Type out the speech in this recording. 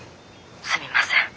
すみません。